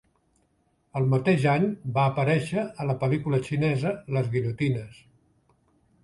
El mateix any, va aparèixer a la pel·lícula xinesa "Les Guillotines".